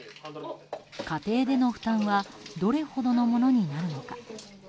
家庭での負担はどれほどのものになるのか。